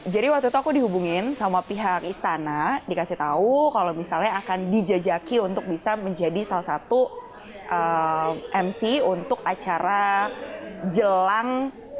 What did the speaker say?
jadi waktu itu aku dihubungin sama pihak istana dikasih tau kalau misalnya akan dijajaki untuk bisa menjadi salah satu mc untuk acara jelang